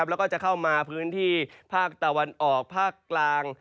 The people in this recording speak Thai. แล้วก็จะเข้ามาพื้นที่ภาคตะวันออกภาคกลาง